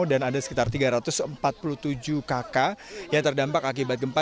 dan ada sekitar tiga ratus empat puluh tujuh kakak yang terdampak akibat gempa